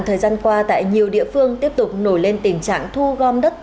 thời gian qua tại nhiều địa phương tiếp tục nổi lên tình trạng thu gom đất